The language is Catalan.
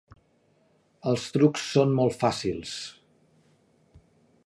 Els trucs són molt fàcils.